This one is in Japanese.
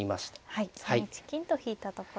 はい３一金と引いたところです。